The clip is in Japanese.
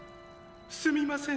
すみません